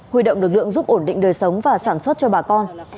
huy động lực lượng giúp ổn định đời sống và sản xuất cho bà con